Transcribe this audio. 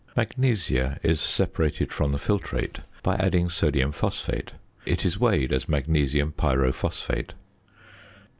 ~Magnesia~ is separated from the filtrate by adding sodium phosphate. It is weighed as magnesium pyrophosphate.